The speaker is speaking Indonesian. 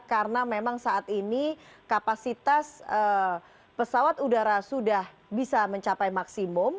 karena memang saat ini kapasitas pesawat udara sudah bisa mencapai maksimum